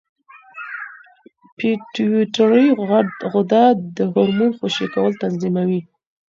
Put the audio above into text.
پېټویټري غده د هورمون خوشې کول تنظیموي.